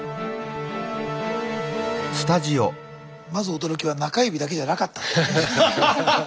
まず驚きは中指だけじゃなかったんですね。